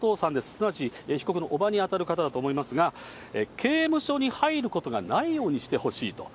すなわち被告の叔母に当たる方だと思いますが、刑務所に入ることがないようにしてほしいと。